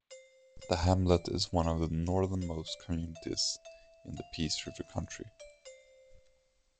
The hamlet is one of the northernmost communities in the Peace River Country.